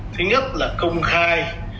thứ nhất là công khai